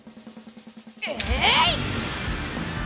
えい！